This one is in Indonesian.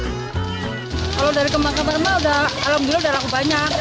kalau dari kebangkapan emang alhamdulillah udah laku banyak